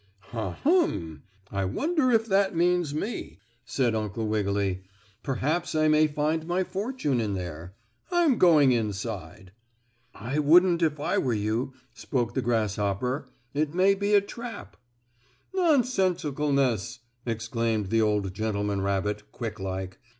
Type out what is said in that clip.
"Ha, hum! I wonder if that means me?" said Uncle Wiggily. "Perhaps I may find my fortune in there. I'm going inside." "I wouldn't if I were you," spoke the grasshopper. "It may be a trap." "Nonsensicalness!" exclaimed the old gentleman rabbit, quick like.